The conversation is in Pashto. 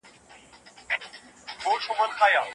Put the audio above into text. ونې ته اوبه ورکړه.